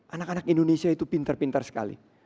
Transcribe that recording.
anak anak indonesia itu pintar pintar sekali